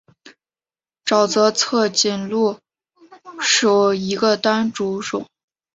沼泽侧颈龟属是一个单种属。